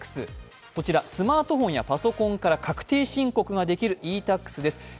こちらスマートフォンやパソコンから確定申告ができるｅ−Ｔａｘです。